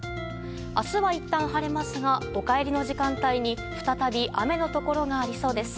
明日はいったん晴れますがお帰りの時間帯に再び雨のところがありそうです。